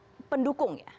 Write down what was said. ya pendukung ya